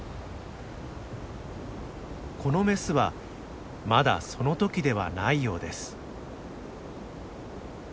このメスはまだその時ではないようです。